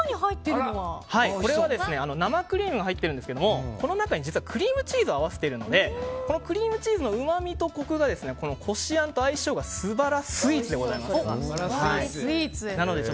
生クリームが入っていますがこの中にクリームチーズを合わせているのでクリームチーズのうまみとコクがこしあんと相性がすばらスイーツなんです。